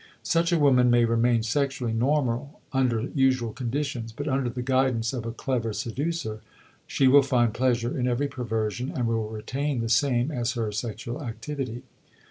Such a woman may remain sexually normal under usual conditions, but under the guidance of a clever seducer she will find pleasure in every perversion and will retain the same as her sexual activity.